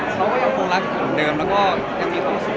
เขาก็ยังคงรักคนเดิมและก็ยังมีความสูง